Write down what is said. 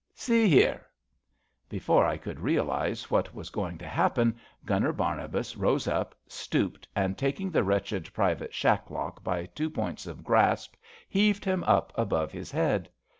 See here I " Before I could realise what was going to hap pen, Gunner Barnabas rose up, stooped, and tak ing the wretched Private Shacklock by two points of grasp, heaved him up above his head.